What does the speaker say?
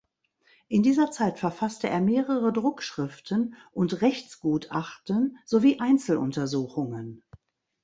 In dieser Zeit verfasste er mehrere Druckschriften und Rechtsgutachten sowie Einzeluntersuchungen.